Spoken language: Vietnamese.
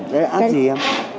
đấy là app gì em